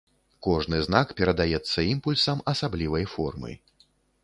Кожны знак перадаецца імпульсам асаблівай формы.